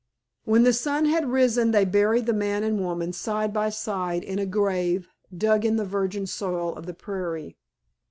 When the sun had risen they buried the man and woman side by side in a grave dug in the virgin soil of the prairie.